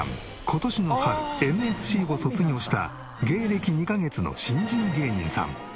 今年の春ＮＳＣを卒業した芸歴２カ月の新人芸人さん。